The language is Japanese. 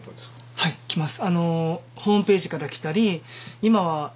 はい来ます。